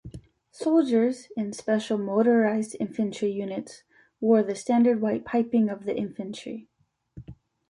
Soldiers in special Motorized Infantry units wore the standard white piping of the Infantry.